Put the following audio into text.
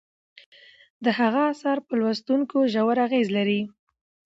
د هغه اثار په لوستونکو ژور اغیز لري.